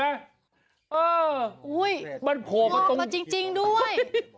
เออมันโผล่มาตรงโอ้ยมันออกมาจริงด้วย